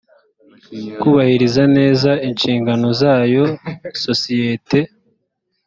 kubahiriza neza inshigano zayo sosiyete